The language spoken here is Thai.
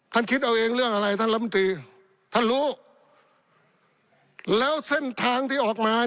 ท่านคิดเอาเองเรื่องอะไรท่านรัฐมนตรี